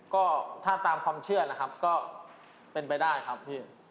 ก็ถ้าตามความเชื่อนะครับก็เป็นไปได้ครับพี่